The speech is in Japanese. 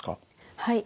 はい。